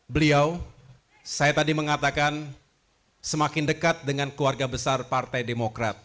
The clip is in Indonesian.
beliau saya tadi mengatakan semakin dekat dengan keluarga besar partai demokrat